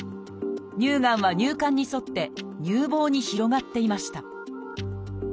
乳がんは乳管に沿って乳房に広がっていました。